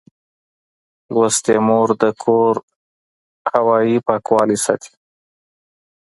لوستې مور د کور هوايي پاکوالی ساتي.